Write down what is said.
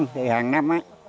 thì hàng năm